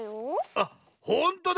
あっほんとだ！